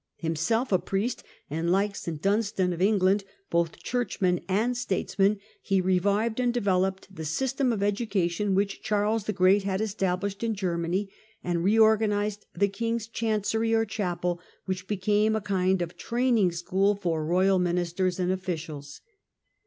Himself a priest, and, like St Dunstan of England, both churchman and statesman, he revived and developed the system of education which Charles the Great had estab lished in Germany, and reorganized the king's chancery or chapel, which became a kind of training school for royal ministers and officials.